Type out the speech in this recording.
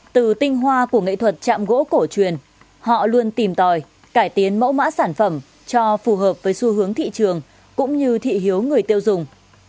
từ tinh hoa của nghệ thuật chạm gỗ cổ truyền họ luôn tìm tòi cải tiến mẫu mã sản phẩm cho phù hợp với xu hướng thị trường cũng như thị hiếu người tiêu dùng